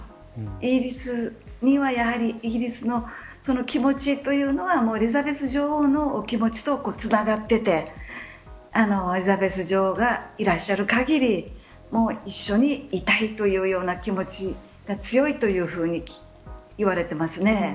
イギリスにはやはりイギリスの気持ちというのはエリザベス女王のお気持ちとつながっていてエリザベス女王がいらっしゃる限り一緒にいたいというような気持ちが強いというふうにいわれていますね。